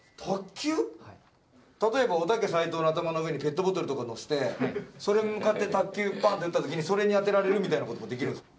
例えばおたけ斉藤の頭の上にペットボトルとか乗せてそれに向かって卓球バーンって打ったときにそれに当てられるみたいなこともできるんですか？